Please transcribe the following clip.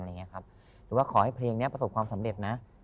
หรือว่าขอให้เพลงนี้ประสบความสำเร็จนะ